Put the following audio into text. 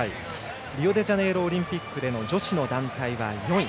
リオデジャネイロオリンピックでの女子の団体は４位。